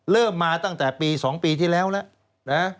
เริ่มมาตั้งแต่ปี๒ปีที่แล้วแล้วนะ